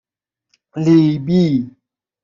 لیبی